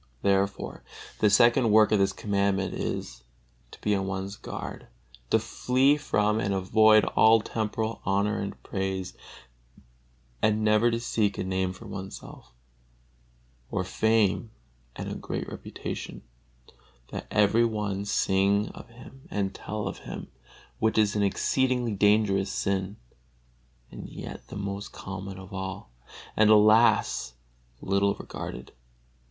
Therefore the second work of this Commandment is, to be on one's guard, to flee from and to avoid all temporal honor and praise, and never to seek a name for oneself, or fame and a great reputation, that every one sing of him and tell of him; which is an exceedingly dangerous sin, and yet the most common of all, and, alas! little regarded.